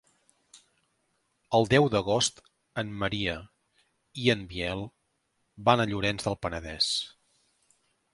El deu d'agost en Maria i en Biel van a Llorenç del Penedès.